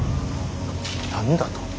何だと。